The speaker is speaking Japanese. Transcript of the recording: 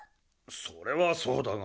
それはそうだが。